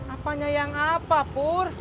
apanya yang apa pur